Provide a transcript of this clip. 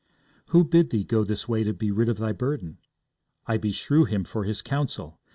'Who bid thee go this way to be rid of thy burden? I beshrew him for his counsel.